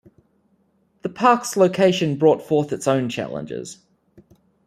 The park's location brought forth its own challenges.